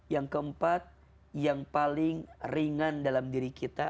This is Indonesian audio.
yang keempat yang paling ringan dalam diri kita